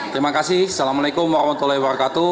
terima kasih assalamualaikum wr wb